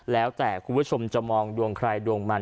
แล้วแต่คุณผู้ชมจะมองดวงใครดวงมัน